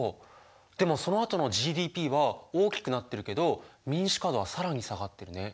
でもそのあとのＧＤＰは大きくなってるけど民主化度は更に下がってるね。